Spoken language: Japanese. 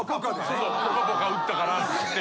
ポカポカ打ったからって。